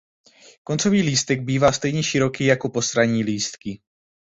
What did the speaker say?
Koncový lístek bývá stejně široký jako postranní lístky.